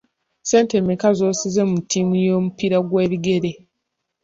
Ssente mmeka z'osize mu ttiimu y'omupiira gw'ebigere ?